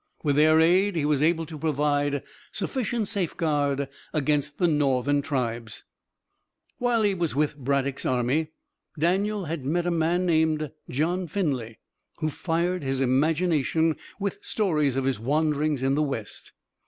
With their aid he was able to provide sufficient safeguard against the Northern tribes. [Illustration: DANIEL BOONE'S FIRST VIEW OF KENTUCKY] While he was with Braddock's army Daniel had met a man named John Finley, who fired his imagination with stories of his wanderings in the west.